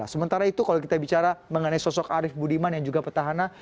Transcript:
sementara itu kalau kita bicara mengenai sosok arief budiman yang juga petahana